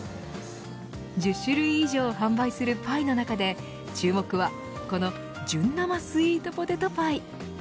１０種類以上販売するパイの中で注目は、この純生スイートポテトパイ。